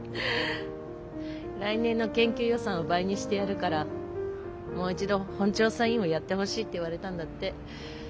来年の研究予算を倍にしてやるからもう一度本調査委員をやってほしいって言われたんだって。